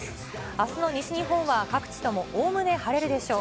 あすの西日本は各地ともおおむね晴れるでしょう。